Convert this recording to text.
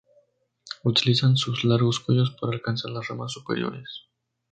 Utilizan sus largos cuellos para alcanzar las ramas superiores.